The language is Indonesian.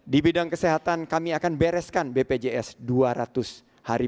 di bidang kesehatan kami akan bereskan bpjs dua ratus hari